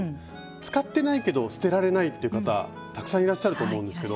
使ってないけど捨てられないっていう方たくさんいらっしゃると思うんですけど。